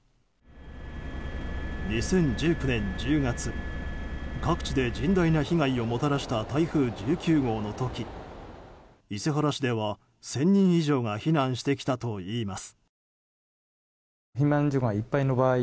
２０１９年１０月各地で甚大な被害をもたらした台風１９号の時伊勢原市では、１０００人以上が避難してきたといいます。